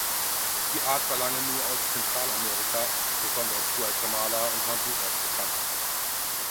Die Art war lange nur aus Zentralamerika, besonders Guatemala und Honduras, bekannt.